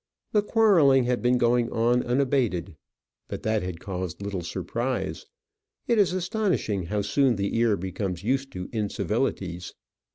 The quarrelling had been going on unabated, but that had caused little surprise. It is astonishing how soon the ear becomes used to incivilities.